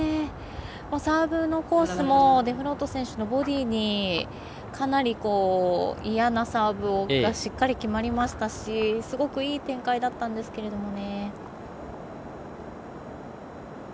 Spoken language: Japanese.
サーブのコースもデフロート選手のボディーにかなり嫌なサーブがしっかり決まりましたしすごくいい展開だったんですけどね。